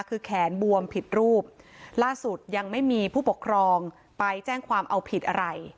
คือแขนบวมผิดรูปล่าสุดยังไม่มีผู้ปกครองไปแจ้งความเอาผิดอะไร